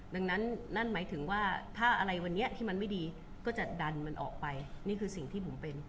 ดังนั้นนั่นหมายถึงว่าถ้าอะไรวันนี้ที่มันไม่ดีก็จะดันมันออกไปนี่คือสิ่งที่ผมเป็น